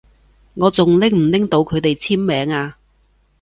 我仲拎唔拎到佢哋簽名啊？